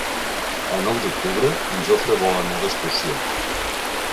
El nou d'octubre en Jofre vol anar d'excursió.